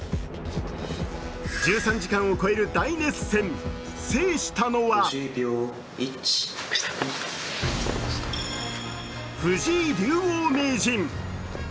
１３時間を超える大熱戦、制したのは藤井竜王名人。